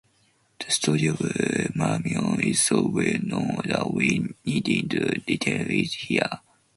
The story of Marmion is so well known that we needn't detail it here.